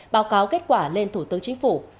báo cáo kết quả lên thủ tướng chính phủ